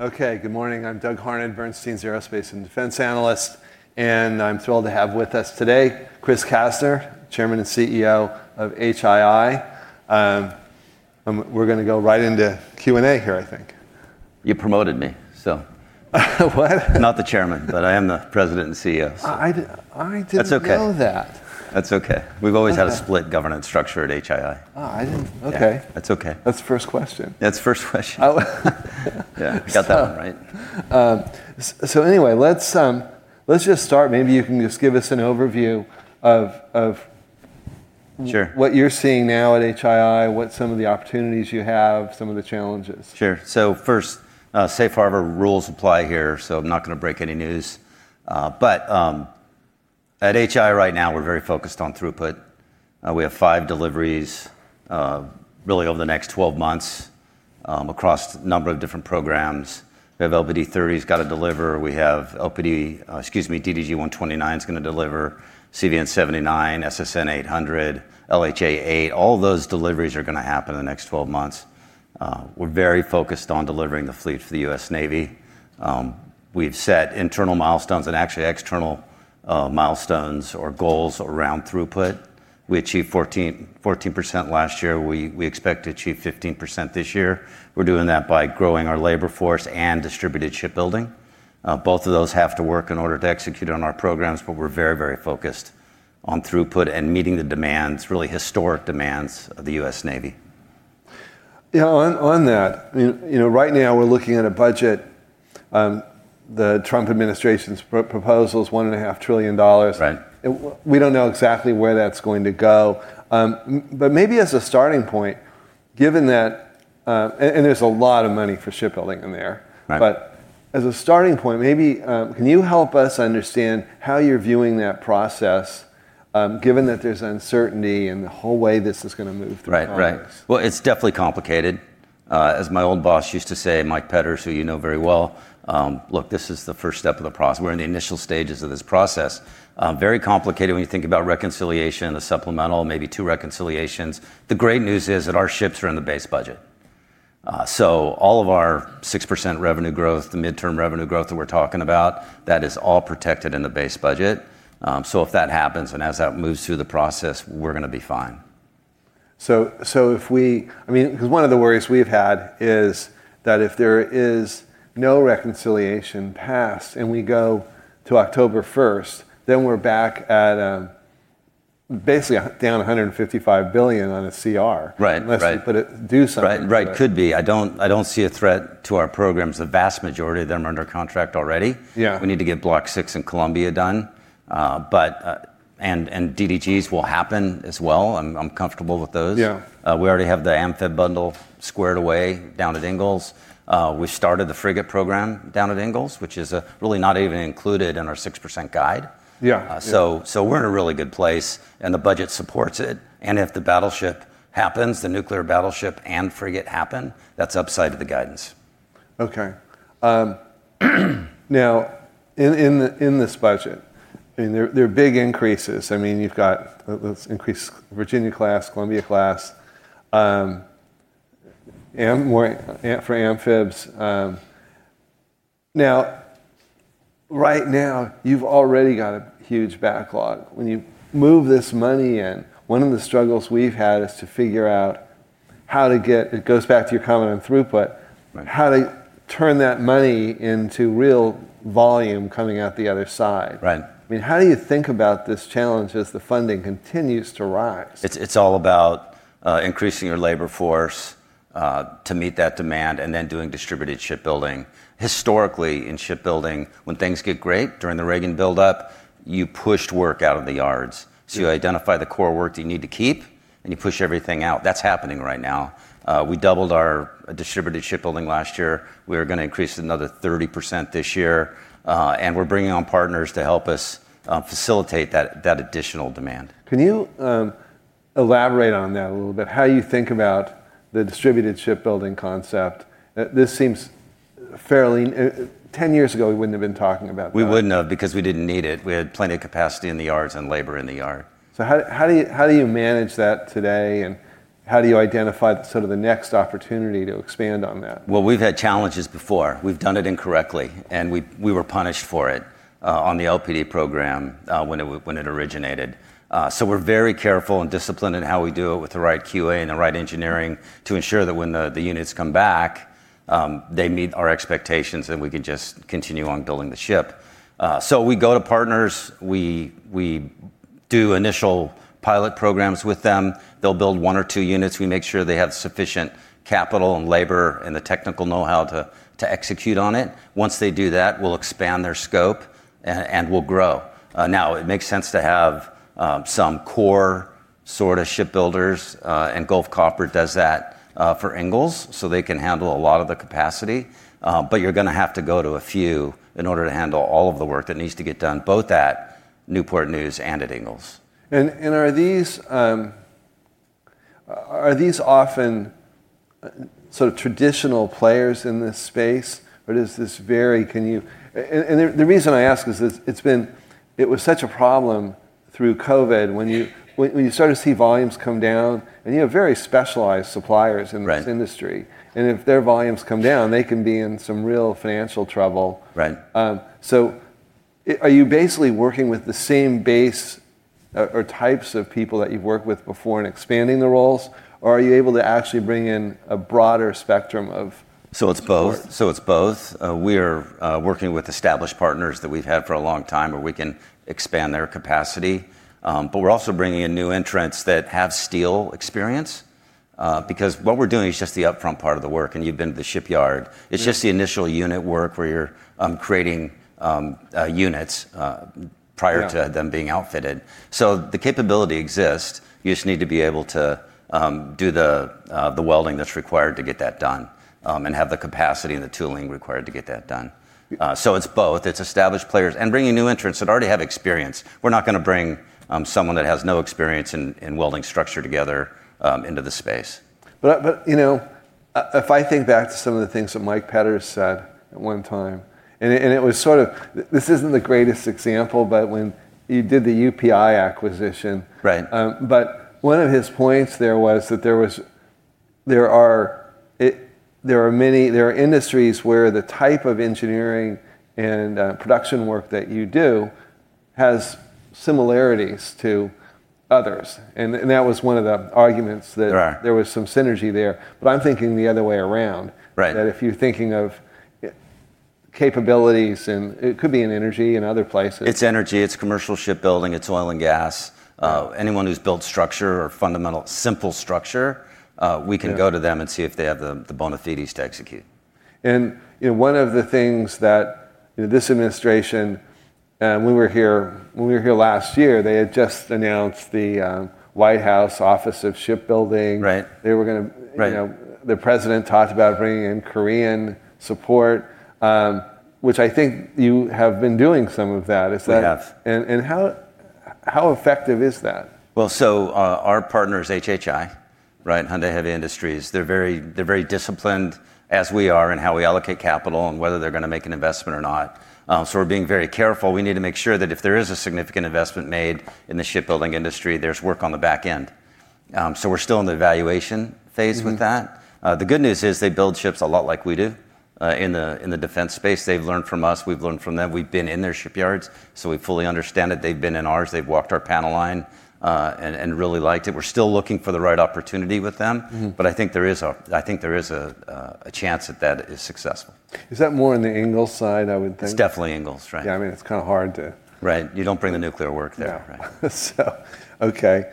Okay. Good morning. I'm Doug Harned, Bernstein's aerospace and defense analyst, and I'm thrilled to have with us today, Chris Kastner, Chairman and CEO of HII. We're going to go right into Q&A here, I think. You promoted me, so. What? Not the Chairman, but I am the President and CEO. I didn't That's okay. Know that. That's okay. Okay We've always had a split governance structure at HII. Oh, Okay. That's okay. That's the first question. That's the first question. Yeah. Got that one right. Anyway. Let's just start, maybe you can just give us an overview of Sure What you're seeing now at HII, what some of the opportunities you have, some of the challenges. Sure. First, safe harbor rules apply here, I'm not going to break any news. At HII right now, we're very focused on throughput. We have five deliveries really over the next 12 months, across a number of different programs. We have LPD 30's got to deliver. We have LPD, excuse me, DDG 129's going to deliver, CVN 79, SSN 800, LHA 8. All those deliveries are going to happen in the next 12 months. We're very focused on delivering the fleet for the U.S. Navy. We've set internal milestones and actually external milestones or goals around throughput. We achieved 14% last year. We expect to achieve 15% this year. We're doing that by growing our labor force and distributed shipbuilding. Both of those have to work in order to execute on our programs, but we're very focused on throughput and meeting the demands, really historic demands, of the U.S. Navy. On that, right now we're looking at a budget. The Trump administration's proposal is $1.5 trillion. Right. We don't know exactly where that's going to go. Maybe as a starting point, and there's a lot of money for shipbuilding in there. Right. As a starting point, can you help us understand how you're viewing that process, given that there's uncertainty and the whole way this is going to move through Congress? Well, it's definitely complicated. As my old boss used to say, Mike Petters, who you know very well, "Look, this is the first step of the process." We're in the initial stages of this process. Very complicated when you think about reconciliation, a supplemental, maybe two reconciliations. The great news is that our ships are in the base budget. All of our 6% revenue growth, the midterm revenue growth that we're talking about, that is all protected in the base budget. If that happens, and as that moves through the process, we're going to be fine. Because one of the worries we've had is that if there is no reconciliation passed and we go to October 1st, then we're back at basically down $155 billion on a CR. Right. Unless you do something. Right. Could be. I don't see a threat to our programs. The vast majority of them are under contract already. Yeah. We need to get Block VI and Columbia done. DDGs will happen as well. I'm comfortable with those. Yeah. We already have the amphib bundle squared away down at Ingalls. We started the Frigate Program down at Ingalls, which is really not even included in our 6% guide. Yeah. We're in a really good place and the budget supports it. If the battleship happens, the nuclear battleship and frigate happen, that's upside of the guidance. Okay. Now, in this budget, there are big increases. You've got those increased Virginia-class, Columbia-class, for amphibs. Right now, you've already got a huge backlog. When you move this money in, one of the struggles we've had is to figure out. It goes back to your comment on throughput. Right How to turn that money into real volume coming out the other side. Right. How do you think about this challenge as the funding continues to rise? It's all about increasing your labor force to meet that demand and then doing distributed shipbuilding. Historically, in shipbuilding, when things get great during the Reagan buildup, you pushed work out of the yards. You identify the core work that you need to keep, and you push everything out. That's happening right now. We doubled our distributed shipbuilding last year. We are going to increase it another 30% this year. We're bringing on partners to help us facilitate that additional demand. Can you elaborate on that a little bit, how you think about the distributed shipbuilding concept? Ten years ago, we wouldn't have been talking about that. We wouldn't have because we didn't need it. We had plenty of capacity in the yards and labor in the yard. How do you manage that today, and how do you identify the next opportunity to expand on that? Well, we've had challenges before. We've done it incorrectly, and we were punished for it on the LPD program when it originated. We're very careful and disciplined in how we do it with the right QA and the right engineering to ensure that when the units come back, they meet our expectations and we can just continue on building the ship. We go to partners, we do initial pilot programs with them. They'll build one or two units. We make sure they have sufficient capital and labor and the technical know-how to execute on it. Once they do that, we'll expand their scope and we'll grow. It makes sense to have some core shipbuilders, and Gulf Copper does that for Ingalls, so they can handle a lot of the capacity. You're going to have to go to a few in order to handle all of the work that needs to get done, both at Newport News and at Ingalls. Are these often traditional players in this space? The reason I ask is, it was such a problem through COVID, when you start to see volumes come down, and you have very specialized suppliers. Right In this industry, and if their volumes come down, they can be in some real financial trouble. Right. Are you basically working with the same base or types of people that you've worked with before and expanding the roles, or are you able to actually bring in a broader spectrum of support? It's both. We're working with established partners that we've had for a long time, where we can expand their capacity. We're also bringing in new entrants that have steel experience, because what we're doing is just the upfront part of the work, and you've been to the shipyard. Yeah. It's just the initial unit work where you're creating units Yeah Prior to them being outfitted. The capability exists. You just need to be able to do the welding that's required to get that done, and have the capacity and the tooling required to get that done. It's both. It's established players and bringing new entrants that already have experience. We're not going to bring someone that has no experience in welding structure together into the space. If I think back to some of the things that Mike Petters said at one time, and this isn't the greatest example, but when you did the UPI acquisition. Right. One of his points there was that there are industries where the type of engineering and production work that you do has similarities to others. That was one of the arguments. There are. There was some synergy there. I'm thinking the other way around. Right. If you're thinking of capabilities, and it could be in energy and other places. It's energy, it's commercial shipbuilding, it's oil and gas. Anyone who's built structure or fundamental simple structure. Yeah We can go to them and see if they have the bona fides to execute. One of the things that this administration, when we were here last year, they had just announced the White House Office of Shipbuilding. Right. The president talked about bringing in Korean support, which I think you have been doing some of that. We have. How effective is that? Our partner is HHI, right? Hyundai Heavy Industries. They're very disciplined as we are in how we allocate capital and whether they're going to make an investment or not. We're being very careful. We need to make sure that if there is a significant investment made in the shipbuilding industry, there's work on the back end. We're still in the evaluation phase with that. The good news is they build ships a lot like we do in the defense space. They've learned from us, we've learned from them. We've been in their shipyards, so we fully understand it. They've been in ours. They've walked our panel line, and really liked it. We're still looking for the right opportunity with them. I think there is a chance that that is successful. Is that more in the Ingalls side, I would think? It's definitely Ingalls, right. Yeah. It's kind of hard to. Right. You don't bring the nuclear work there. Yeah. Okay.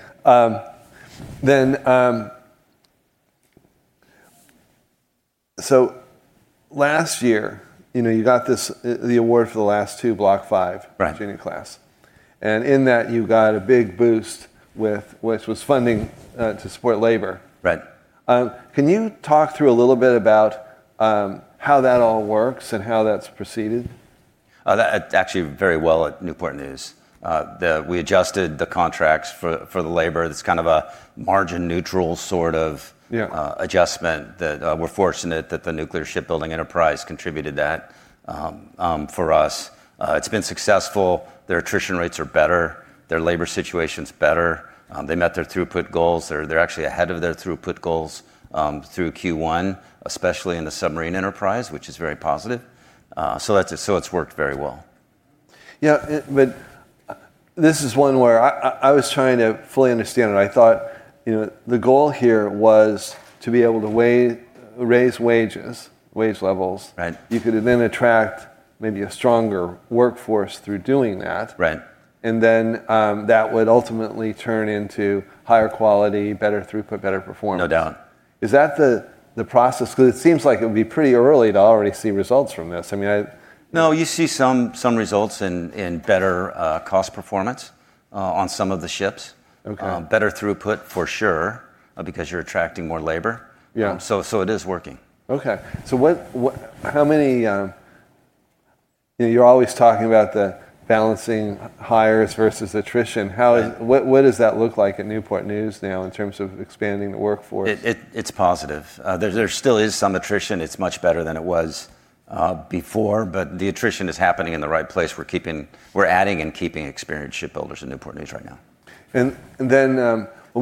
Last year, you got the award for the last two Block V Right Virginia-class. In that, you got a big boost which was funding to support labor. Right. Can you talk through a little bit about how that all works and how that's proceeded? Actually very well at Newport News. We adjusted the contracts for the labor. That's kind of a margin neutral sort of Yeah Adjustment that we're fortunate that the nuclear shipbuilding enterprise contributed that for us. It's been successful. Their attrition rates are better, their labor situation's better. They met their throughput goals. They're actually ahead of their throughput goals through Q1, especially in the submarine enterprise, which is very positive. It's worked very well. Yeah. This is one where I was trying to fully understand it. I thought the goal here was to be able to raise wages, wage levels. Right. You could attract maybe a stronger workforce through doing that. Right. That would ultimately turn into higher quality, better throughput, better performance. No doubt. Is that the process? It seems like it would be pretty early to already see results from this. No. You see some results in better cost performance on some of the ships. Okay. Better throughput for sure, because you're attracting more labor. Yeah. It is working. Okay. You're always talking about the balancing hires versus attrition. Right. What does that look like at Newport News now in terms of expanding the workforce? It's positive. There still is some attrition. It's much better than it was before, but the attrition is happening in the right place. We're adding and keeping experienced shipbuilders in Newport News right now. When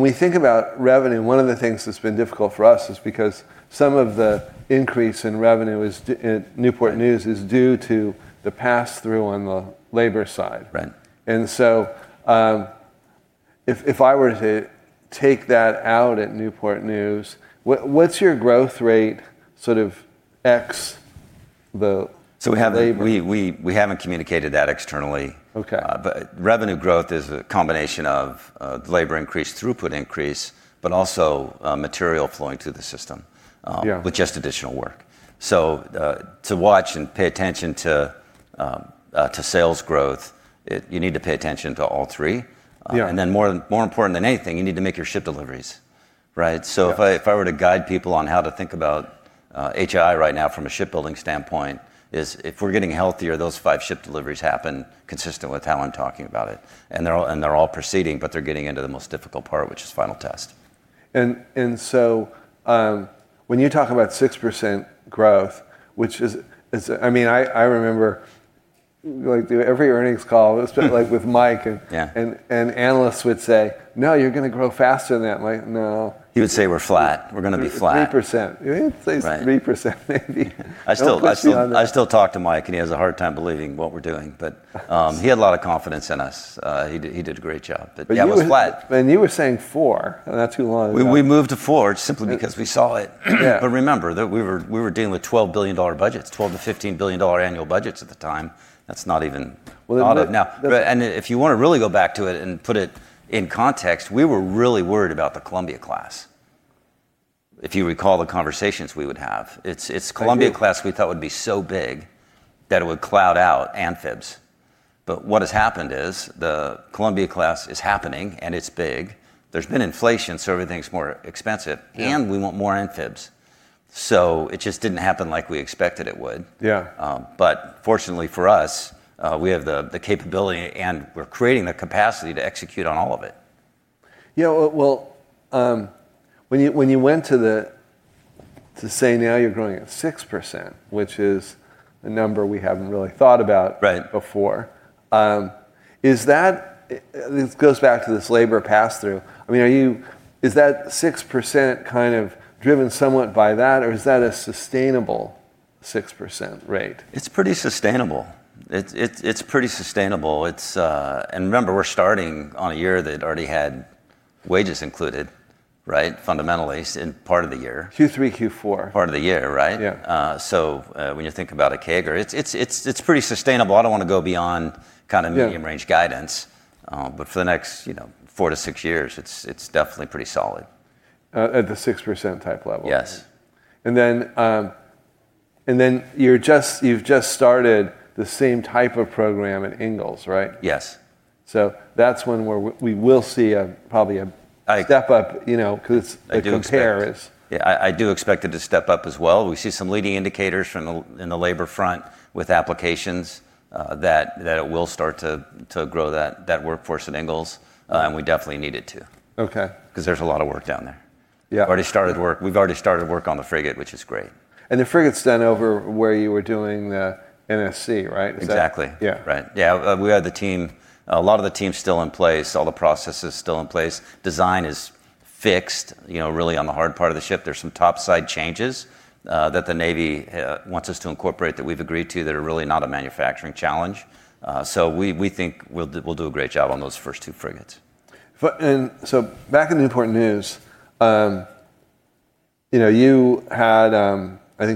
we think about revenue, one of the things that's been difficult for us is because some of the increase in revenue in Newport News is due to the pass-through on the labor side. Right. If I were to take that out at Newport News, what's your growth rate sort of X the labor? We haven't communicated that externally. Okay. Revenue growth is a combination of the labor increase, throughput increase, but also material flowing through the system. Yeah With just additional work. To watch and pay attention to sales growth, you need to pay attention to all three. Yeah. More important than anything, you need to make your ship deliveries, right? Yeah. If I were to guide people on how to think about HII right now from a shipbuilding standpoint, is if we're getting healthier, those five ship deliveries happen consistent with how I'm talking about it. They're all proceeding, but they're getting into the most difficult part, which is final test. When you talk about 6% growth, I remember like every earnings call, it was like with Mike. Yeah Analysts would say, "No, you're going to grow faster than that, Mike." "No. He would say, "We're flat. We're going to be flat. 3%. He'd Right 3% maybe. I still. Don't put too much I still talk to Mike, and he has a hard time believing what we're doing. He had a lot of confidence in us. He did a great job. Yeah, it was flat. You were saying four not too long ago. We moved to four simply because we saw it. Yeah. Remember that we were dealing with $12 billion budgets, $12 billion-$15 billion annual budgets at the time. Well, it Thought of now. If you want to really go back to it and put it in context, we were really worried about the Columbia-class, if you recall the conversations we would have. I do. Columbia-class we thought would be so big that it would cloud out amphibs. What has happened is the Columbia-class is happening and it's big. There's been inflation, everything's more expensive. Yeah. We want more amphibs. It just didn't happen like we expected it would. Yeah. Fortunately for us, we have the capability and we're creating the capacity to execute on all of it. When you went to say now you're growing at 6%, which is a number we haven't really thought about Right Before. This goes back to this labor pass-through. Is that 6% kind of driven somewhat by that, or is that a sustainable 6% rate? It's pretty sustainable. Remember, we're starting on a year that already had wages included, fundamentally, part of the year. Q3, Q4. Part of the year, right? Yeah. When you think about a CAGR, it's pretty sustainable. I don't want to go beyond Yeah Medium range guidance. For the next four to six years, it's definitely pretty solid. At the 6% type level? Yes. You've just started the same type of program at Ingalls, right? Yes. That's when we will see probably a step up. I do expect The compare is Yeah. I do expect it to step up as well. We see some leading indicators in the labor front with applications, that it will start to grow that workforce at Ingalls. We definitely need it to. Okay. There's a lot of work down there. Yeah. We've already started work on the frigate, which is great. The frigate's done over where you were doing the NSC, right? Exactly. Yeah. Right. Yeah. We had the team, a lot of the team's still in place, all the processes still in place. Design is fixed, really on the hard part of the ship. There's some top side changes that the Navy wants us to incorporate that we've agreed to, that are really not a manufacturing challenge. We think we'll do a great job on those first two frigates. Back in the Newport News, I think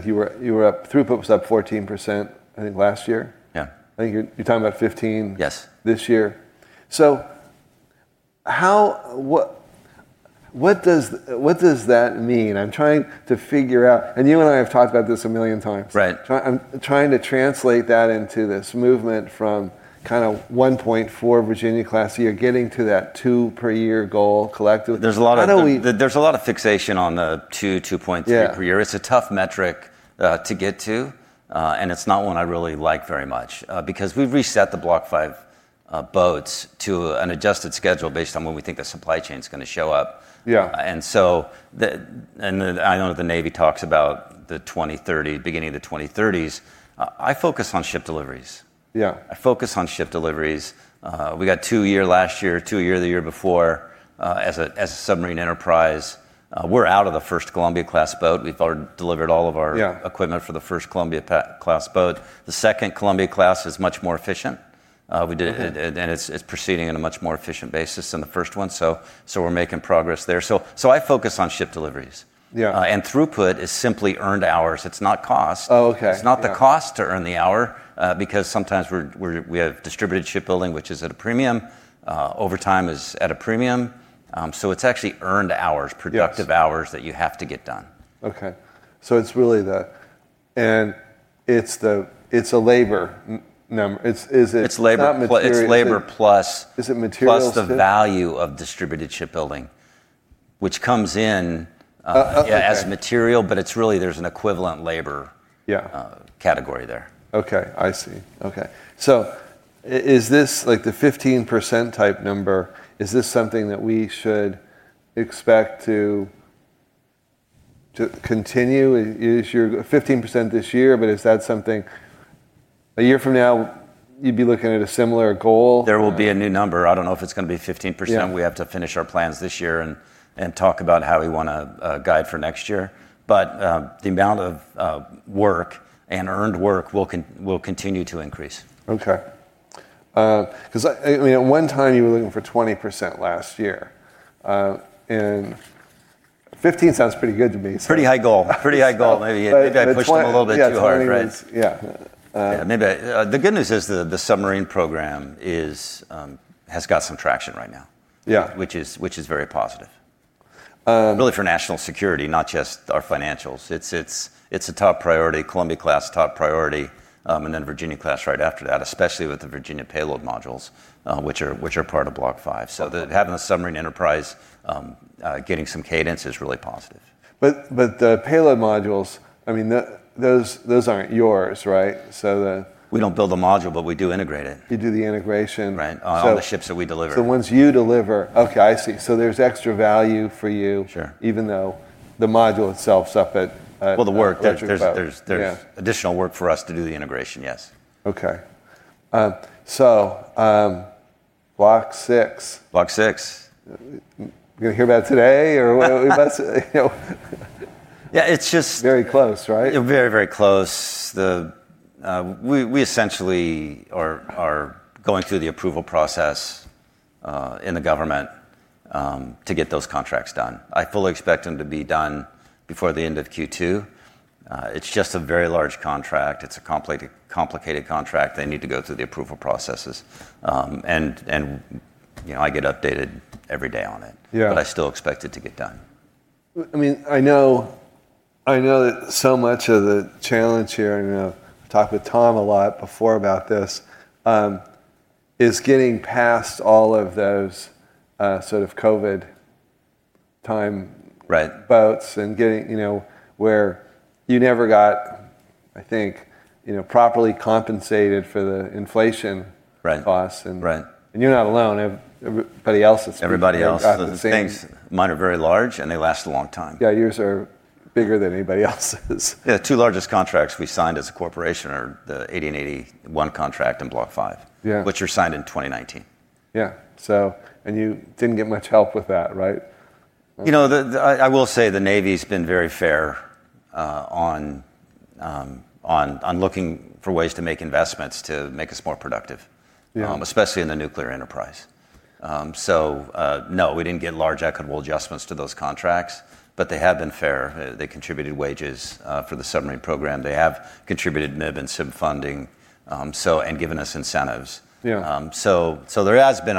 throughput was up 14%, I think, last year. Yeah. I think you're talking about 15% Yes This year. What does that mean? I'm trying to figure out, and you and I have talked about this a million times. Right. I'm trying to translate that into this movement from kind of 1.4 Virginia-class a year, getting to that two per year goal collectively. There's a lot of How do we There's a lot of fixation on the two, 2.3 per year. Yeah. It's a tough metric to get to. It's not one I really like very much, because we've reset the Block V boats to an adjusted schedule based on when we think the supply chain's going to show up. Yeah. I know the Navy talks about the beginning of the 2030s. I focus on ship deliveries. Yeah. I focus on ship deliveries. We got two a year last year, two a year the year before. As a submarine enterprise, we're out of the first Columbia-class boat. We've already delivered all of our Yeah Equipment for the first Columbia-class boat. The second Columbia-class is much more efficient. Okay. It's proceeding at a much more efficient basis than the first one, so we're making progress there. I focus on ship deliveries. Yeah. Throughput is simply earned hours. It's not cost. Oh, okay. Yeah. It's not the cost to earn the hour, because sometimes we have distributed shipbuilding, which is at a premium. Overtime is at a premium. It's actually earned hours. Yeah Productive hours that you have to get done. Okay. It's a labor number. It's labor Not materials- It's labor Is it materials too? Plus the value of distributed shipbuilding, which comes in Okay As material, but it's really there's an equivalent labor Yeah Category there. Okay. I see. Okay. Is this, like the 15% type number, is this something that we should expect to continue? Fifteen percent this year, but is that something a year from now you'd be looking at a similar goal? There will be a new number. I don't know if it's going to be 15%. Yeah. We have to finish our plans this year and talk about how we want to guide for next year. The amount of work and earned work will continue to increase. Okay. At one time you were looking for 20% last year. Fifteen sounds pretty good to me. Pretty high goal. Maybe I pushed them a little bit too hard, right? Yeah, 20% was Yeah. The good news is the submarine program has got some traction right now. Yeah. Which is very positive. Really for national security, not just our financials. It's a top priority. Columbia-class, top priority. Virginia-class right after that, especially with the Virginia Payload Module, which are part of Block V. Having the submarine enterprise getting some cadence is really positive. The payload modules, those aren't yours, right? We don't build the module, but we do integrate it. You do the integration. Right. On all the ships that we deliver. The ones you deliver. Okay. I see. There's extra value for you Sure Even though the module itself's up. Well, the work Electric Boat. Yeah There's additional work for us to do the integration, yes. Okay. Block VI. Block VI. We going to hear about it today? What are we about to? Yeah. Very close, right? Very, very close. We essentially are going through the approval process, in the government, to get those contracts done. I fully expect them to be done before the end of Q2. It's just a very large contract. It's a complicated contract. They need to go through the approval processes. I get updated every day on it. Yeah. I still expect it to get done. I know that so much of the challenge here, and I've talked with Tom a lot before about this, is getting past all of those sort of COVID time Right Boats and getting where you never got, I think, properly compensated for the inflation. Right Costs Right You're not alone. Everybody else Got the same. Things, mine are very large, and they last a long time. Yeah, yours are bigger than anybody else's. Yeah, the two largest contracts we signed as a corporation are the CVN-81 contract and Block V. Yeah. Which were signed in 2019. Yeah. You didn't get much help with that, right? I will say the Navy's been very fair on looking for ways to make investments to make us more productive. Yeah. Especially in the nuclear enterprise. No, we didn't get large equitable adjustments to those contracts, but they have been fair. They contributed wages for the submarine program. They have contributed MIB and SIB funding, and given us incentives. Yeah. There has been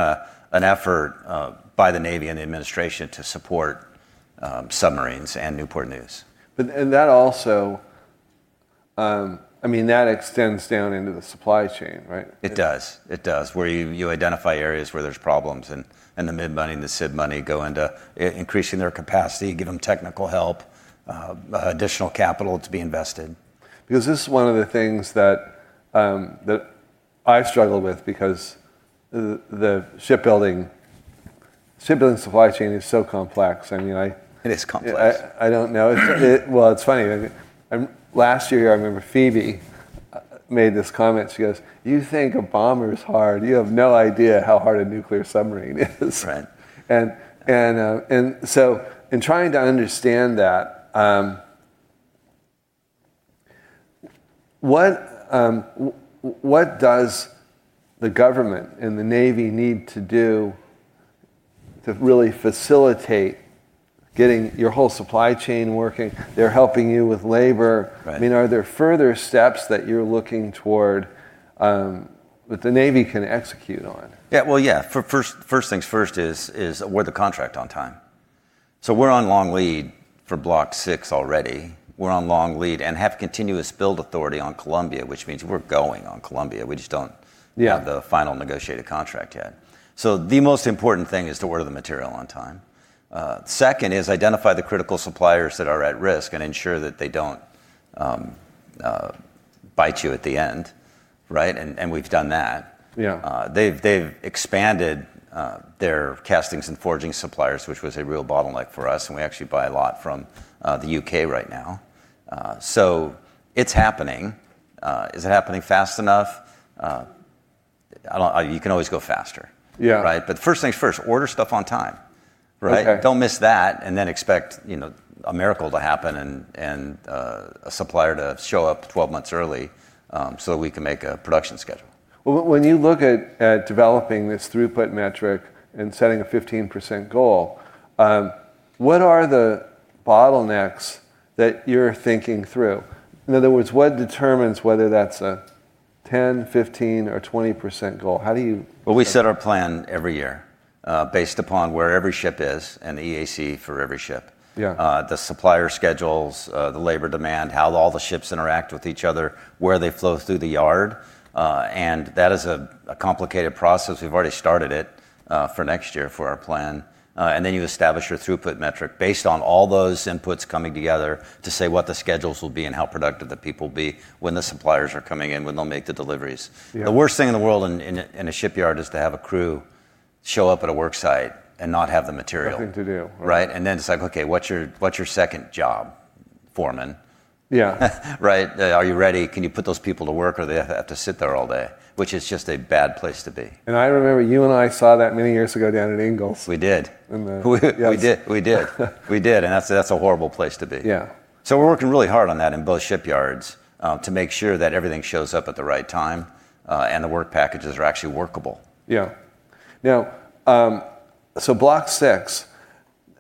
an effort by the Navy and the administration to support submarines and Newport News. That extends down into the supply chain, right? It does. Where you identify areas where there's problems, and the MID money and the SID money go into increasing their capacity, give them technical help, additional capital to be invested. Because this is one of the things that I've struggled with because the shipbuilding supply chain is so complex. I mean. It is complex. I don't know. Well, it's funny, last year, I remember Phoebe made this comment. She goes, "You think a bomber is hard? You have no idea how hard a nuclear submarine is. Right. In trying to understand that, what does the government and the Navy need to do to really facilitate getting your whole supply chain working? They're helping you with labor. Right. Are there further steps that you're looking toward that the Navy can execute on? Well, yeah. First things first is award the contract on time. We're on long lead for Block VI already. We're on long lead and have continuous build authority on Columbia, which means we're going on Columbia. Yeah Which we don't have the final negotiated contract yet. The most important thing is to order the material on time. Second is identify the critical suppliers that are at risk and ensure that they don't bite you at the end. Right? We've done that. Yeah. They've expanded their castings and forging suppliers, which was a real bottleneck for us. We actually buy a lot from the U.K. right now. It's happening. Is it happening fast enough? You can always go faster, right? Yeah. First things first, order stuff on time, right? Okay. Don't miss that and then expect a miracle to happen and a supplier to show up 12 months early, so that we can make a production schedule. When you look at developing this throughput metric and setting a 15% goal, what are the bottlenecks that you're thinking through? In other words, what determines whether that's a 10%, 15%, or 20% goal? Well, we set our plan every year, based upon where every ship is and the EAC for every ship. Yeah. The supplier schedules, the labor demand, how all the ships interact with each other, where they flow through the yard. That is a complicated process. We've already started it, for next year for our plan. You establish your throughput metric based on all those inputs coming together to say what the schedules will be and how productive the people will be when the suppliers are coming in, when they'll make the deliveries. Yeah. The worst thing in the world in a shipyard is to have a crew show up at a work site and not have the material. Nothing to do. Right? And then it's like, "Okay, what's your second job, foreman? Yeah. Right. "Are you ready? Can you put those people to work, or do they have to sit there all day?" Which is just a bad place to be. I remember you and I saw that many years ago down at Ingalls. We did. In the Yes. We did. We did. That's a horrible place to be. Yeah. We're working really hard on that in both shipyards, to make sure that everything shows up at the right time, and the work packages are actually workable. Yeah. Now, Block VI,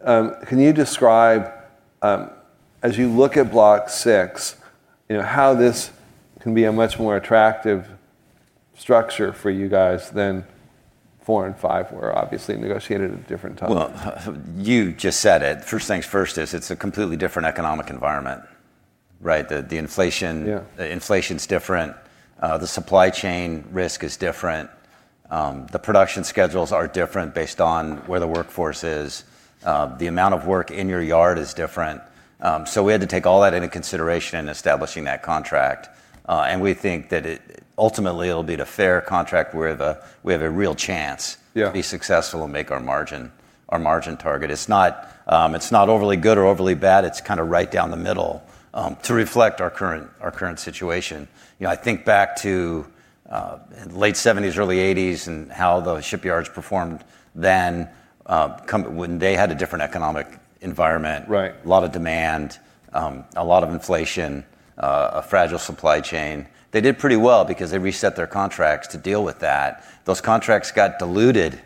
can you describe, as you look at Block VI, how this can be a much more attractive structure for you guys than IV and V were obviously negotiated at different times? Well, you just said it. First things first is it's a completely different economic environment, right? Yeah The inflation's different. The supply chain risk is different. The production schedules are different based on where the workforce is. The amount of work in your yard is different. We had to take all that into consideration in establishing that contract. We think that ultimately it'll be a fair contract where we have a real chance Yeah To be successful and make our margin our margin target. It's not overly good or overly bad. It's right down the middle to reflect our current situation. I think back to late 1970s, early 1980s, and how the shipyards performed then when they had a different economic environment. Right. A lot of demand, a lot of inflation, a fragile supply chain. They did pretty well because they reset their contracts to deal with that. Those contracts got diluted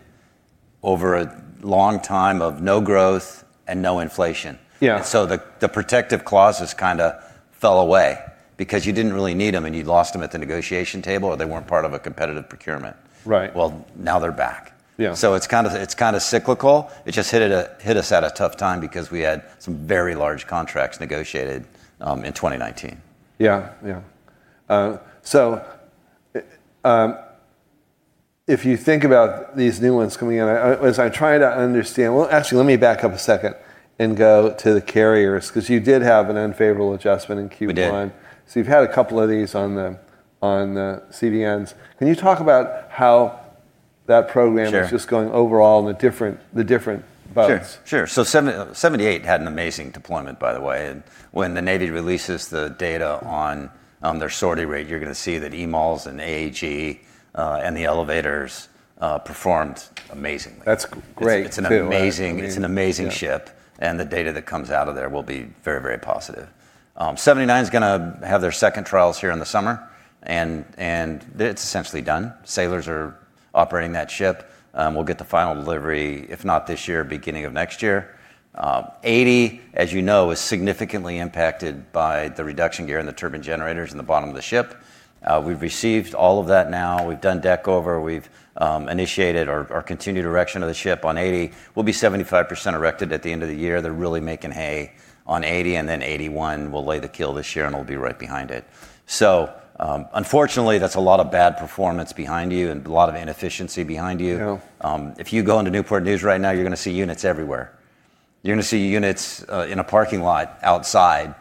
over a long time of no growth and no inflation. Yeah. The protective clauses kind of fell away because you didn't really need them, and you lost them at the negotiation table, or they weren't part of a competitive procurement. Right. Well, now they're back. Yeah. It's kind of cyclical. It just hit us at a tough time because we had some very large contracts negotiated in 2019. Yeah. If you think about these new ones coming in, as I try to understand Well, actually, let me back up a second and go to the carriers, because you did have an unfavorable adjustment in Q1. We did. You've had a couple of these on the CVNs. Can you talk about how that program Sure Is just going overall in the different boats? Sure. 78 had an amazing deployment, by the way, and when the Navy releases the data on their sortie rate, you're going to see that EMALS and AAG, and the elevators performed amazingly. That's great, too. It's an amazing ship. The data that comes out of there will be very, very positive. 79 is going to have their second trials here in the summer. It's essentially done. Sailors are operating that ship. We'll get the final delivery if not this year, beginning of next year. 80, as you know, is significantly impacted by the reduction gear and the turbine generators in the bottom of the ship. We've received all of that now. We've done deck over. We've initiated our continued erection of the ship on 80. We'll be 75% erected at the end of the year. They're really making hay on 80. Then 81 will lay the keel this year. It'll be right behind it. Unfortunately, that's a lot of bad performance behind you and a lot of inefficiency behind you. Yeah. If you go into Newport News right now, you're going to see units everywhere. You're going to see units in a parking lot outside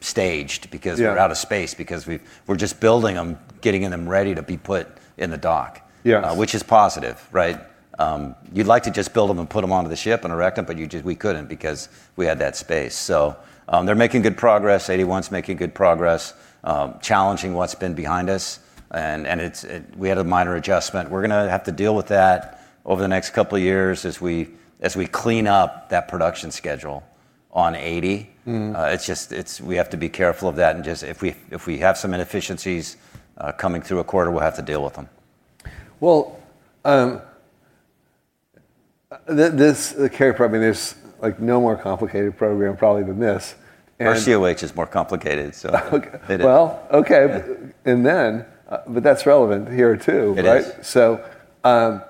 staged. Yeah We're out of space because we're just building them, getting them ready to be put in the dock. Yes. Which is positive. You'd like to just build them and put them onto the ship and erect them, but we couldn't because we had that space. They're making good progress. 81's making good progress, challenging what's been behind us, and we had a minor adjustment. We're going to have to deal with that over the next couple of years as we clean up that production schedule on 80. We have to be careful of that and if we have some inefficiencies coming through a quarter, we'll have to deal with them. Well, the carrier program, there's no more complicated program probably than this. RCOH is more complicated. Okay. It is. Well, okay. That's relevant here, too, right? It is. Now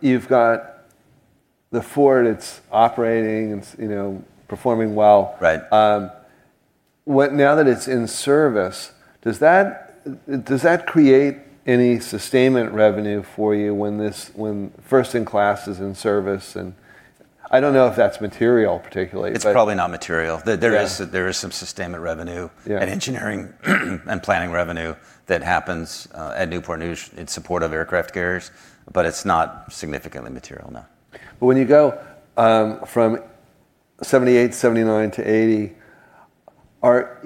you've got the Ford. It's operating, it's performing well. Right. Now that it's in service, does that create any sustainment revenue for you when first in class is in service? I don't know if that's material particularly. It's probably not material. Yeah. There is some sustainment revenue. Yeah Engineering and planning revenue that happens at Newport News in support of aircraft carriers, but it's not significantly material, no. When you go from 78, 79 to 80, are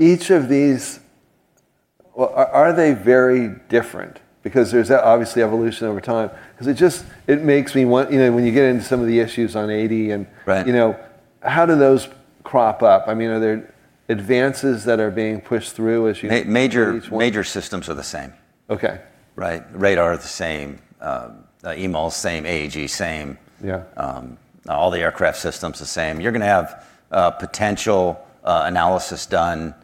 they very different? There's obviously evolution over time. Right How do those crop up? Are there advances that are being pushed through as you move to 81? Major systems are the same. Okay. Right. Radar are the same. EMALS, same. AAG, same. Yeah. All the aircraft systems the same. You're going to have potential analysis done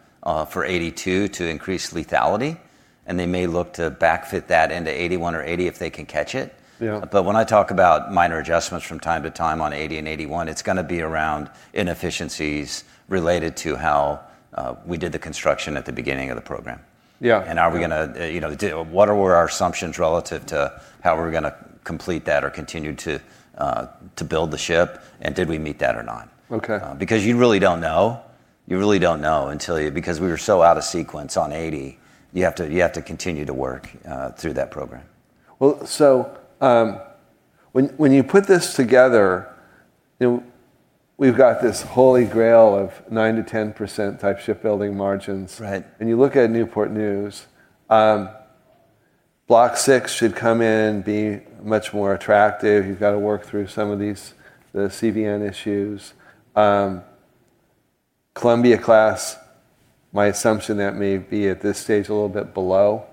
for 82 to increase lethality, and they may look to backfit that into 81 or 80 if they can catch it. Yeah. When I talk about minor adjustments from time to time on 80 and 81, it's going to be around inefficiencies related to how we did the construction at the beginning of the program. Yeah. What were our assumptions relative to how we were going to complete that or continue to build the ship, and did we meet that or not? Okay. You really don't know. You really don't know, because we were so out of sequence on 80. You have to continue to work through that program. When you put this together, we've got this holy grail of 9%-10%-type shipbuilding margins. Right. You look at Newport News. Block VI should come in, be much more attractive. You've got to work through some of the CVN issues. Columbia-class, my assumption, that may be, at this stage, a little bit below.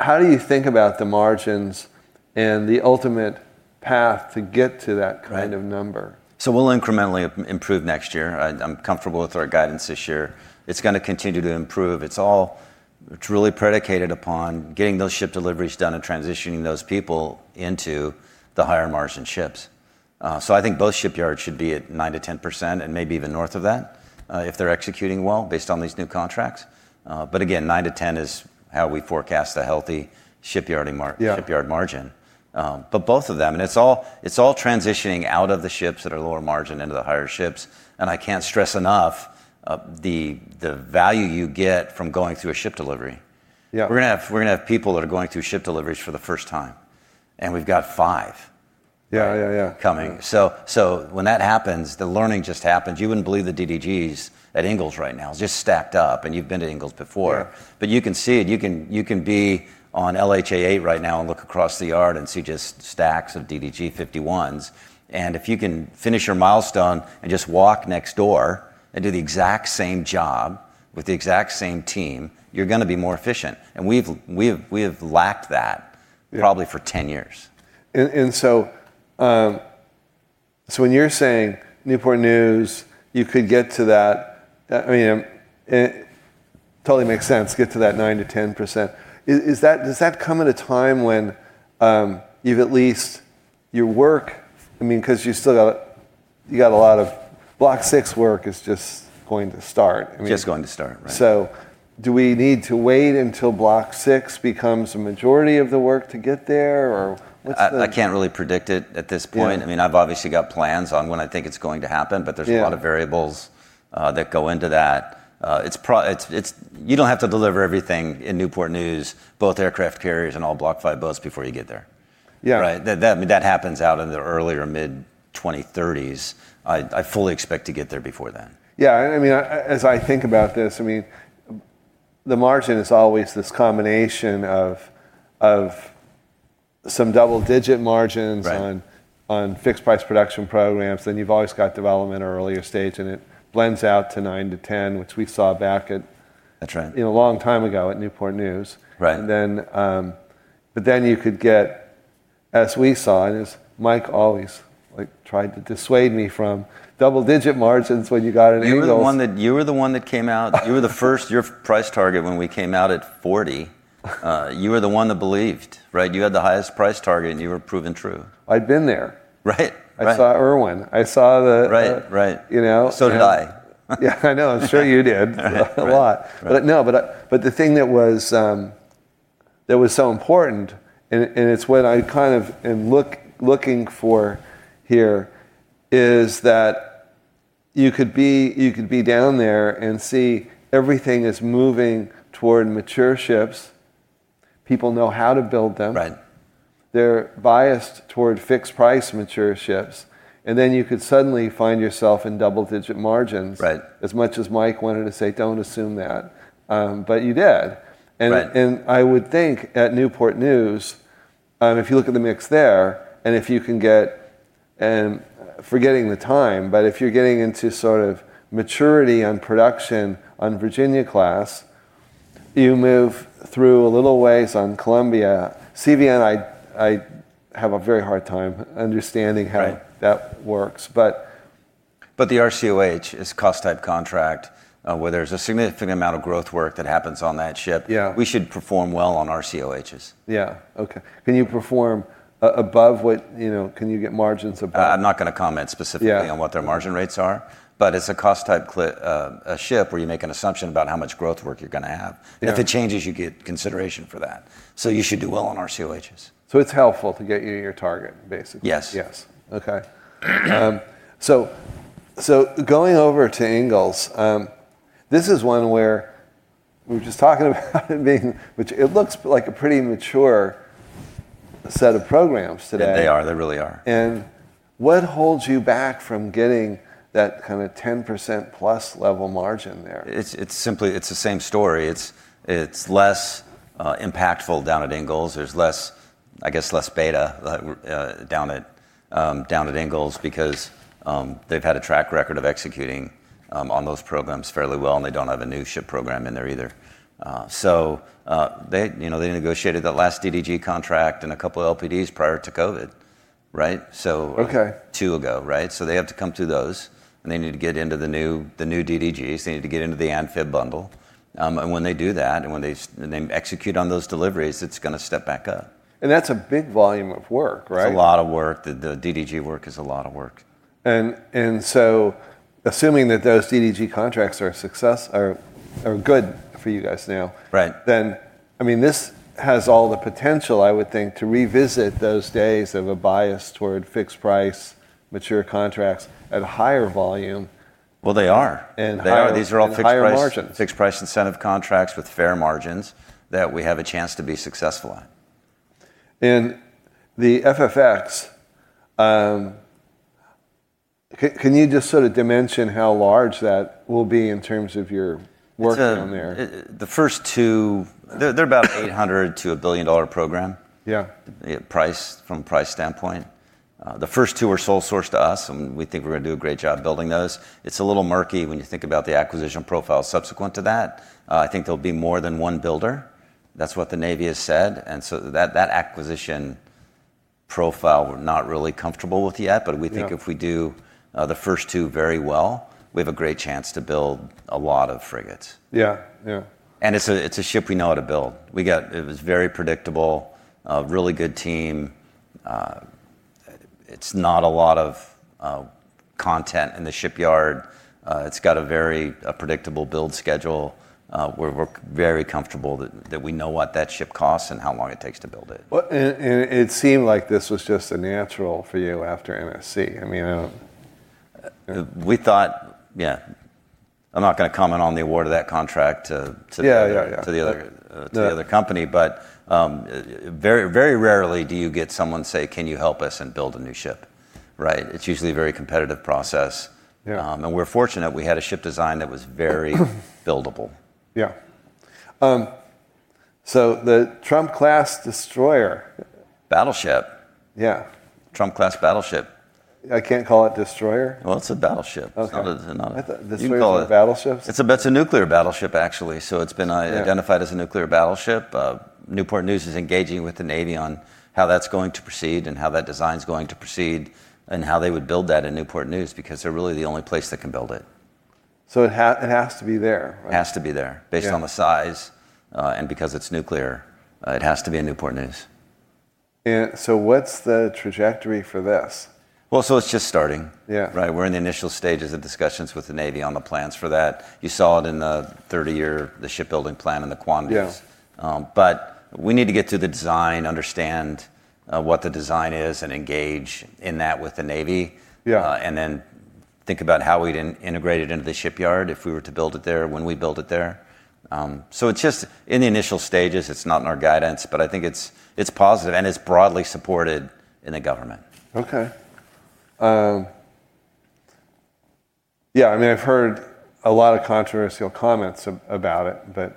How do you think about the margins and the ultimate path to get to that kind of number? We'll incrementally improve next year. I'm comfortable with our guidance this year. It's going to continue to improve. It's really predicated upon getting those ship deliveries done and transitioning those people into the higher-margin ships. I think both shipyards should be at 9% to 10%, and maybe even north of that, if they're executing well based on these new contracts. Again, 9%-10% is how we forecast the healthy shipyard margin. Yeah. Both of them. It's all transitioning out of the ships that are lower margin into the higher ships. I can't stress enough the value you get from going through a ship delivery. Yeah. We're going to have people that are going through ship deliveries for the first time, and we've got five Yeah Coming. When that happens, the learning just happens. You wouldn't believe the DDGs at Ingalls right now. It's just stacked up, and you've been to Ingalls before. Yeah. You can see it. You can be on LHA 8 right now and look across the yard and see just stacks of DDG-51s. If you can finish your milestone and just walk next door and do the exact same job with the exact same team, you're going to be more efficient. We have lacked that Yeah Probably for 10 years. When you're saying Newport News, you could get to that, it totally makes sense, get to that 9%-10%. Does that come at a time when you've at least, you got a lot of Block VI work is just going to start. Just going to start. Right Do we need to wait until Block VI becomes a majority of the work to get there? I can't really predict it at this point. Yeah. I've obviously got plans on when I think it's going to happen. Yeah A lot of variables that go into that. You don't have to deliver everything in Newport News, both aircraft carriers and all Block V boats before you get there. Yeah. Right. That happens out in the early or mid-2030s. I fully expect to get there before then. Yeah. As I think about this, the margin is always this combination of some double-digit margins Right On fixed price production programs. You've always got development or earlier stage, and it blends out to 9%-10%. That's right. a long time ago at Newport News. Right. You could get, as we saw, and as Mike always tried to dissuade me from, double-digit margins when you got into Ingalls. You were the one that came out. You were the first. Your price target when we came out at 40, you were the one that believed, right? You had the highest price target, you were proven true. I'd been there. Right. I saw Irwin. Right. You know? So did I. Yeah, I know. I'm sure you did. Right. A lot. Right. The thing that was so important, and it's what I'm looking for here, is that you could be down there and see everything is moving toward mature ships. People know how to build them. Right. They're biased toward fixed price mature ships. You could suddenly find yourself in double-digit margins. Right. As much as Mike wanted to say, "Don't assume that." You did. Right. I would think at Newport News, if you look at the mix there, and if you can get, and forgetting the time, but if you're getting into sort of maturity on production on Virginia-class, you move through a little ways on Columbia. CVN, I have a very hard time understanding how. Right That works. The RCOH is a cost type contract, where there's a significant amount of growth work that happens on that ship. Yeah. We should perform well on RCOHs. Yeah. Okay. Can you perform above what, can you get margins above? I'm not going to comment specifically Yeah On what their margin rates are, but it's a cost type ship where you make an assumption about how much growth work you're going to have. Yeah. If it changes, you get consideration for that. You should do well on RCOHs. It's helpful to get you to your target, basically. Yes. Yes. Okay. Going over to Ingalls. This is one where we were just talking about it looks like a pretty mature set of programs today. They are. They really are. What holds you back from getting that kind of 10%+ level margin there? It's the same story. It's less impactful down at Ingalls. There's, I guess, less beta down at Ingalls because they've had a track record of executing on those programs fairly well, and they don't have a new ship program in there either. They negotiated that last DDG contract and a couple of LPDs prior to COVID, right? Okay Two ago, right? They have to come through those, and they need to get into the new DDGs. They need to get into the amphib bundle. When they do that, and when they execute on those deliveries, it's going to step back up. That's a big volume of work, right? It's a lot of work. The DDG work is a lot of work. Assuming that those DDG contracts are good for you guys now. Right This has all the potential, I would think, to revisit those days of a bias toward fixed price mature contracts at a higher volume. Well, they are. And higher They are. These are all fixed price Higher margins. Fixed price incentive contracts with fair margins that we have a chance to be successful on. The FFX, can you just sort of dimension how large that will be in terms of your work down there? They're about an $800 million-$1 billion program. Yeah. From price standpoint. The first two are sole sourced to us, and we think we're going to do a great job building those. It's a little murky when you think about the acquisition profile subsequent to that. I think there'll be more than one builder. That's what the Navy has said. That acquisition profile, we're not really comfortable with yet. Yeah If we do the first two very well, we have a great chance to build a lot of frigates. Yeah. It's a ship we know how to build. It was very predictable, a really good team. It's not a lot of content in the shipyard. It's got a very predictable build schedule, where we're very comfortable that we know what that ship costs and how long it takes to build it. Well, it seemed like this was just a natural for you after NSC. We thought, yeah, I'm not going to comment on the award of that contract Yeah To the other company. Very rarely do you get someone say, "Can you help us and build a new ship?" Right. It's usually a very competitive process. Yeah. We're fortunate we had a ship design that was very buildable. Yeah. The Trump-class destroyer. Battleship. Yeah. Trump-class battleship. I can't call it destroyer? Well, it's a battleship. Okay. It's not a destroyer. I thought you can call it battleships. It's a nuclear battleship, actually. It's been identified as a nuclear battleship. Newport News is engaging with the Navy on how that's going to proceed, and how that design's going to proceed, and how they would build that in Newport News, because they're really the only place that can build it. It has to be there, right? It has to be there. Yeah. Based on the size, and because it's nuclear, it has to be in Newport News. What's the trajectory for this? Well, it's just starting. Yeah. Right. We're in the initial stages of discussions with the Navy on the plans for that. You saw it in the 30-year, the shipbuilding plan and the quantities. Yeah. We need to get to the design, understand what the design is, and engage in that with the Navy. Yeah. Think about how we'd integrate it into the shipyard if we were to build it there, when we build it there. It's just in the initial stages. It's not in our guidance. I think it's positive, and it's broadly supported in the government. Okay. Yeah, I mean, I've heard a lot of controversial comments about it.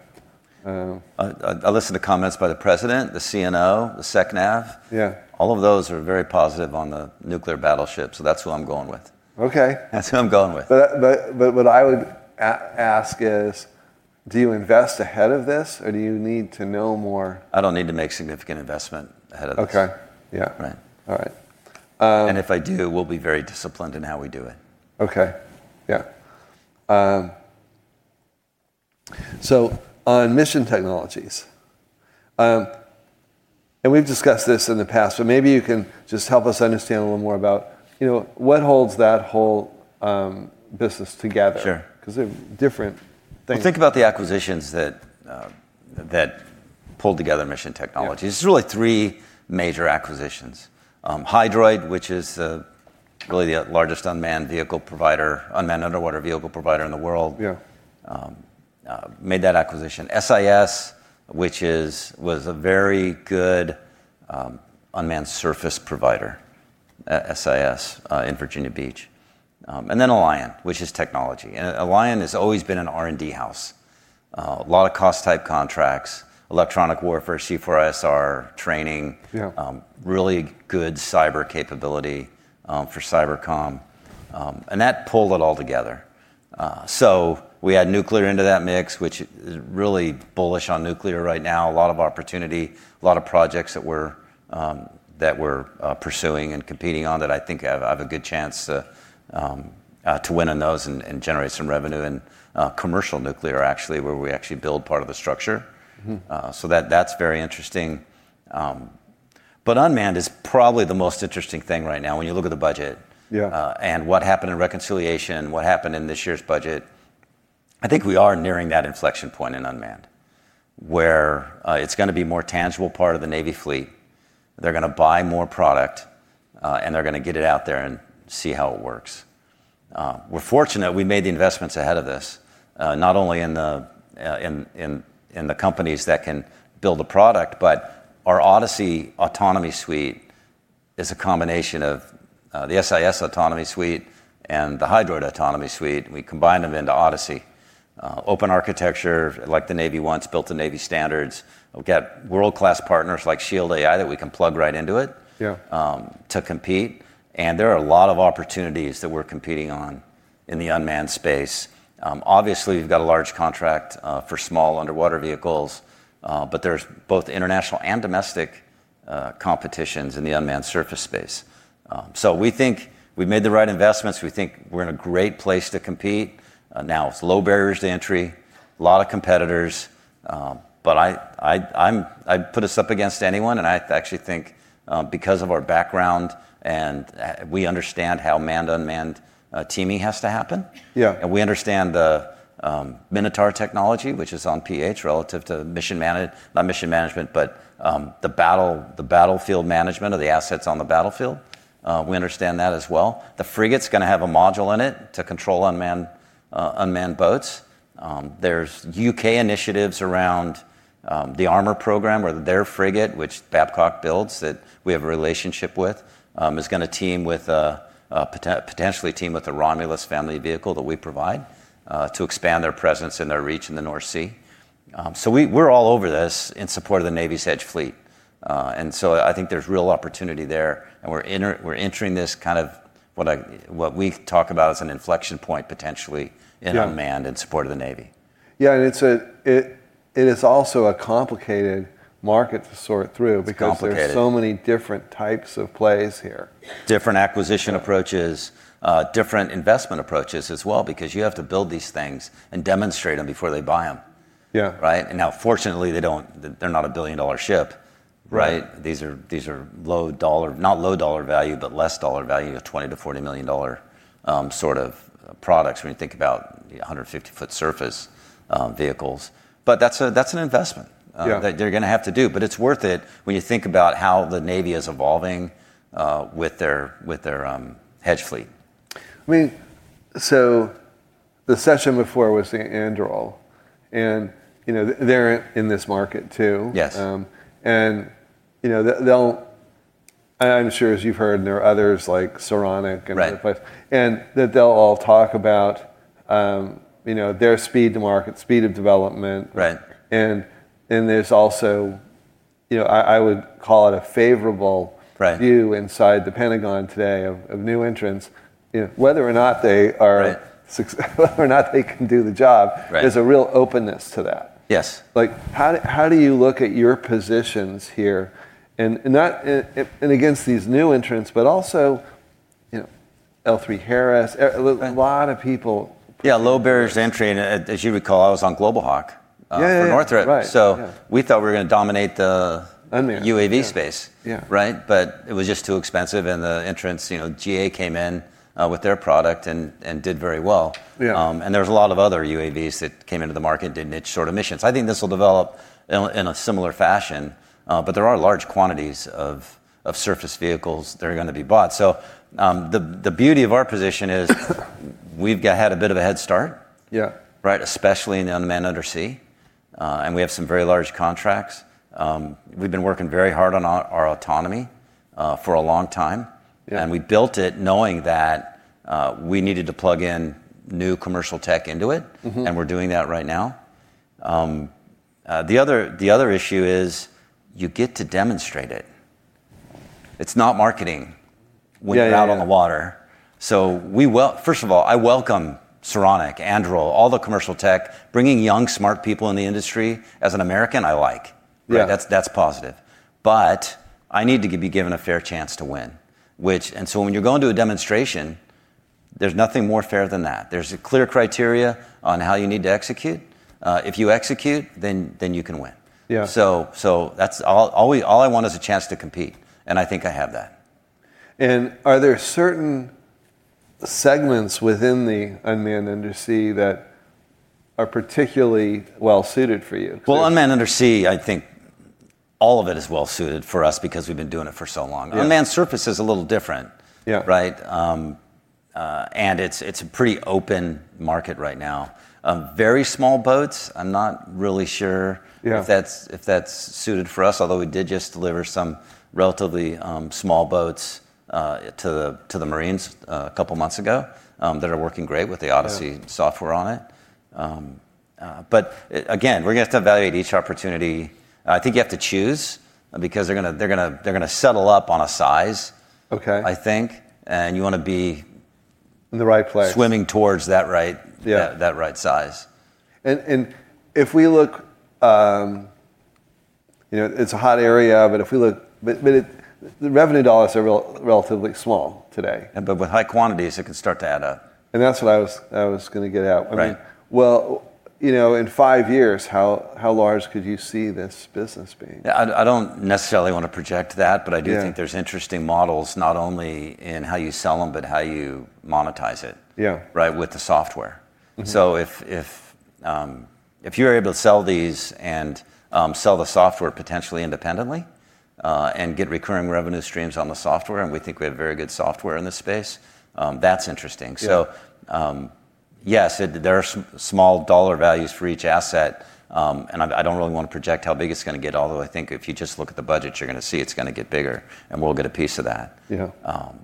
I listen to comments by the President, the CNO, the SECNAV. Yeah. All of those are very positive on the nuclear battleship. That's who I'm going with. Okay. That's who I'm going with. What I would ask is, do you invest ahead of this, or do you need to know more? I don't need to make significant investment ahead of this. Okay. Yeah. Right. All right. If I do, we'll be very disciplined in how we do it. Okay. Yeah. On Mission Technologies, and we've discussed this in the past, so maybe you can just help us understand a little more about what holds that whole business together. Sure. They're different things. Well, think about the acquisitions that pulled together Mission Technologies. Yeah. There's really three major acquisitions. Hydroid, which is really the largest unmanned underwater vehicle provider in the world. Yeah. Made that acquisition. SIS, which was a very good unmanned surface provider. SIS in Virginia Beach. Alion, which is technology. Alion has always been an R&D house. A lot of cost type contracts, electronic warfare, C4ISR training. Yeah. Really good cyber capability for Cyber Comm. That pulled it all together. We add nuclear into that mix, which is really bullish on nuclear right now. A lot of opportunity, a lot of projects that we're pursuing and competing on that I think have a good chance to win on those, and generate some revenue in commercial nuclear, actually, where we actually build part of the structure. That's very interesting. Unmanned is probably the most interesting thing right now when you look at the budget. Yeah. What happened in reconciliation, what happened in this year's budget, I think we are nearing that inflection point in unmanned, where it's going to be a more tangible part of the Navy fleet. They're going to buy more product, and they're going to get it out there and see how it works. We're fortunate we made the investments ahead of this. Not only in the companies that can build a product, but our Odyssey autonomy suite is a combination of the SIS autonomy suite and the Hydroid autonomy suite, and we combined them into Odyssey. Open architecture, like the Navy wants, built to Navy standards. We've got world-class partners like Shield AI that we can plug right into it Yeah To compete. There are a lot of opportunities that we're competing on in the unmanned space. Obviously, we've got a large contract for small underwater vehicles. There's both international and domestic competitions in the unmanned surface space. We think we made the right investments. We think we're in a great place to compete. Now, it's low barriers to entry, a lot of competitors. I'd put us up against anyone, and I actually think because of our background, and we understand how manned, unmanned teaming has to happen. Yeah. We understand the Minotaur technology, which is on P-8 relative to, not mission management, but the battlefield management of the assets on the battlefield. We understand that as well. The frigate's going to have a module in it to control unmanned boats. There's U.K. initiatives around the armour program or their frigate, which Babcock builds, that we have a relationship with, is going to potentially team with the ROMULUS family vehicle that we provide to expand their presence and their reach in the North Sea. We're all over this in support of the Navy's hedge fleet. I think there's real opportunity there, and we're entering this what we talk about as an inflection point Yeah In unmanned in support of the Navy. Yeah. It is also a complicated market to sort through. It's complicated. because there's so many different types of plays here. Different acquisition approaches, different investment approaches as well because you have to build these things and demonstrate them before they buy them. Yeah. Right? Now, fortunately, they're not a billion-dollar ship, right? These are not low dollar value, but less dollar value of $20 million-$40 million sort of products when you think about 150-foot surface vehicles. That's an investment Yeah That they're going to have to do. It's worth it when you think about how the Navy is evolving with their hedge fleet. I mean, the session before was the Anduril, and they're in this market too. Yes. I'm sure as you've heard, there are others like Saronic Right Other places, and that they'll all talk about their speed to market, speed of development. Right. And there's also, I would call it a favorable Right View inside the Pentagon today of new entrants, whether or not they can do the job. Right There's a real openness to that. Yes. How do you look at your positions here, and against these new entrants, but also L3Harris, a lot of people. Yeah, low barriers to entry, and as you recall, I was on Global Hawk. Yeah For Northrop. Right, yeah. We thought we were going to dominate. Unmanned, yeah. UAV space. Yeah. Right? It was just too expensive and the entrants, GA came in with their product and did very well. Yeah. There's a lot of other UAVs that came into the market and did niche sort of missions. I think this will develop in a similar fashion. There are large quantities of surface vehicles that are going to be bought. The beauty of our position is, we've had a bit of a head start. Yeah. Right, especially in the unmanned undersea. We have some very large contracts. We've been working very hard on our autonomy for a long time. Yeah. We built it knowing that we needed to plug in new commercial tech into it. We're doing that right now. The other issue is you get to demonstrate it. Yeah It's not marketing when you're out on the water. First of all, I welcome Saronic, Anduril, all the commercial tech. Bringing young, smart people in the industry, as an American, I like. Yeah. That's positive. I need to be given a fair chance to win. When you're going to a demonstration, there's nothing more fair than that. There's a clear criteria on how you need to execute. If you execute, then you can win. Yeah. All I want is a chance to compete, and I think I have that. Are there certain segments within the unmanned undersea that are particularly well-suited for you? Well, unmanned undersea, I think all of it is well-suited for us because we've been doing it for so long. Yeah. Unmanned surface is a little different. Yeah. Right. It's a pretty open market right now. Yeah Very small boats. I'm not really sure if that's suited for us, although we did just deliver some relatively small boats to the Marines a couple of months ago that are working great Yeah With the Odyssey software on it. Again, we're going to have to evaluate each opportunity. I think you have to choose, because they're going to settle up on a size- Okay I think. In the right place. Swimming towards that Yeah That right size. If we look, it's a hot area, but the revenue dollars are relatively small today. With high quantities, it can start to add up. That's what I was going to get at. Right. Well, in five years, how large could you see this business being? I don't necessarily want to project that. Yeah I do think there's interesting models, not only in how you sell them, but how you monetize it. Yeah Right, with the software. If you're able to sell these and sell the software potentially independently, and get recurring revenue streams on the software, and we think we have very good software in this space, that's interesting. Yeah. Yes, there are small dollar values for each asset, and I don't really want to project how big it's going to get, although I think if you just look at the budget, you're going to see it's going to get bigger, and we'll get a piece of that. Yeah.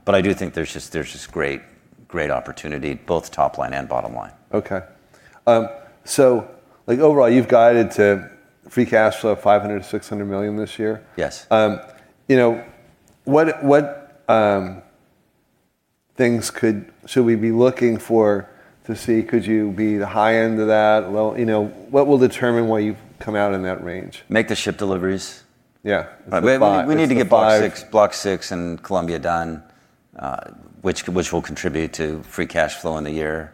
I do think there's just great opportunity, both top line and bottom line. Okay. Overall, you've guided to free cash flow of $500 million-$600 million this year. Yes. What things should we be looking for to see, could you be the high end of that? What will determine why you've come out in that range? Make the ship deliveries. Yeah. We need to get Block VI and Columbia done, which will contribute to free cash flow in the year.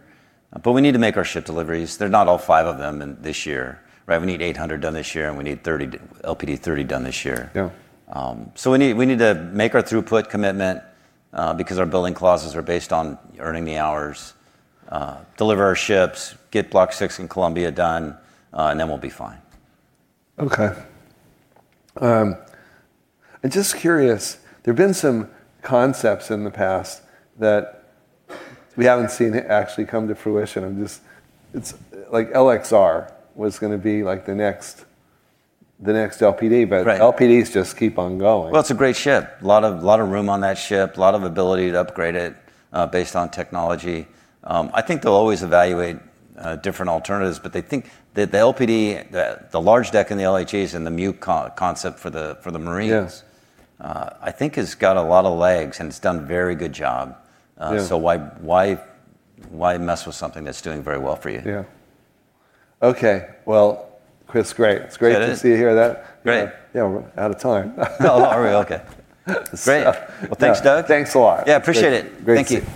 We need to make our ship deliveries. They're not all five of them in this year. We need 800 done this year, and we need LPD 30 done this year. Yeah. We need to make our throughput commitment, because our billing clauses are based on earning the hours, deliver our ships, get Block VI and Columbia done, and then we'll be fine. Okay. I'm just curious, there have been some concepts in the past that we haven't seen actually come to fruition. Like LX(R) was going to be the next LPD. Right LPDs just keep on going. Well, it's a great ship. A lot of room on that ship, a lot of ability to upgrade it based on technology. I think they'll always evaluate different alternatives, but I think that the LPD, the large deck in the LHAs, and the MEU concept for the Marines. Yeah I think has got a lot of legs, and it's done a very good job. Yeah. Why mess with something that's doing very well for you? Yeah. Okay. Well, Chris, great. Good. It's great to see you here. Great. Yeah, we're out of time. Oh, are we? Okay. Great. Well, thanks, Doug. Thanks a lot. Yeah, appreciate it. Great to see you.